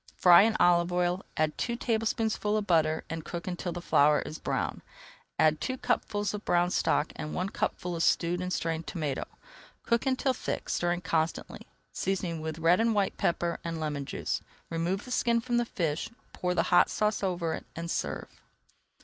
Fry in olive oil, add two tablespoonfuls of flour, and cook until the flour is brown. Add two cupfuls of brown stock and one cupful of stewed and strained tomato. Cook until thick, stirring constantly, seasoning with red and white pepper and lemon juice. Remove the skin from the fish, pour the hot sauce over it, and serve.